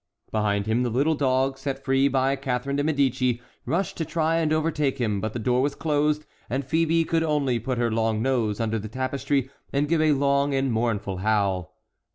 Behind him the little dog, set free by Catharine de Médicis, rushed to try and overtake him, but the door was closed, and Phœbe could only put her long nose under the tapestry and give a long and mournful howl.